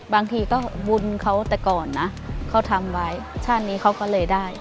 บางทีก็บุญเขาแต่ก่อนนะเขาทำไว้ชาตินี้เขาก็เลยได้